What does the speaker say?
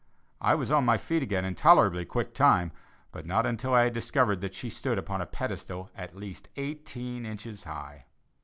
I was on my feet again in tolerably quick time, but not until I had discovered that she stood upon a pedestal at least eighteen inches high.